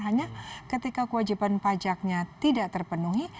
hanya ketika kewajiban pajaknya tidak terpenuhi